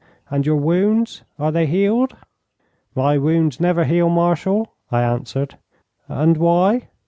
'And your wounds are they healed?' 'My wounds never heal, Marshal,' I answered. 'And why?'